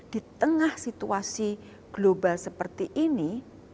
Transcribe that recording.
di tengah situasi global seperti ini